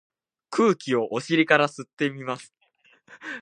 空気をお尻から吸ってみます。